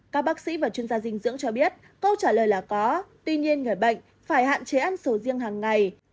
các bác sĩ và chuyên gia dinh dưỡng cho biết câu trả lời là có tuy nhiên người bệnh phải hạn chế ăn sầu riêng hàng ngày